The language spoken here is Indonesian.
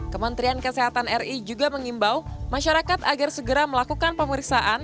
kementerian kesehatan ri juga mengimbau masyarakat agar segera melakukan pemeriksaan